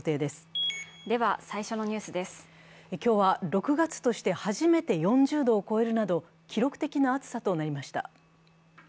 今日は、６月として初めて４０度を超えるなど記録的な暑さとなりました。